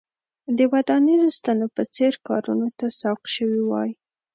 د ودانیزو ستنو په څېر کارونو ته سوق شوي وای.